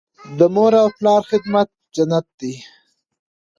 د مور او پلار خدمت جنت دی.